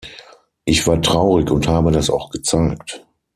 Ich war traurig und habe das auch gezeigt.